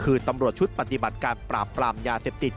คือตำรวจชุดปฏิบัติการปราบปรามยาเสพติด